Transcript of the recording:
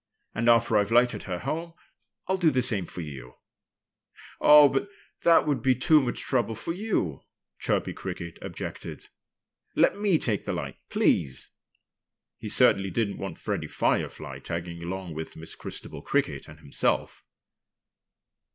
And after I've lighted her home I'll do the same thing for you." "Oh! That would be too much trouble for you," Chirpy Cricket objected. "Let me take the light, please!" He certainly didn't want Freddie Firefly tagging along with Miss Christabel Cricket and himself.